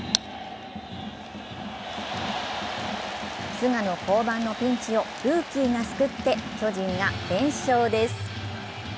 菅野降板のピンチをルーキーが救って巨人が連勝です。